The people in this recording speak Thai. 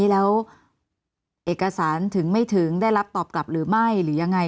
แล้วเอกสารถึงไม่ถึงได้รับตอบกลับหรือไม่หรือยังไง